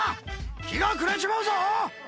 日が暮れちまうぞ！